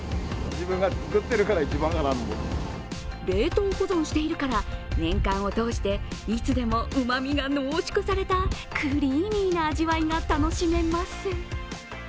冷凍保存しているから年間を通していつでもうまみが濃縮されたクリーミーな味わいが楽しめます。